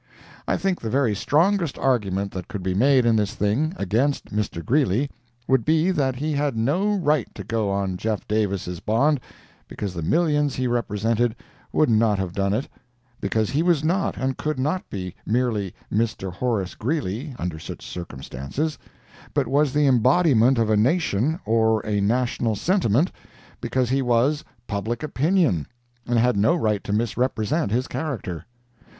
I think the very strongest argument that could be made in this thing, against Mr. Greeley, would be that he had no right to go on Jeff. Davis' bond because the millions he represented would not have done it—because he was not, and could not be, merely Mr. Horace Greeley, under such circumstances, but was the embodiment of a nation or a national sentiment—because he was Public Opinion, and had no right to misrepresent his character.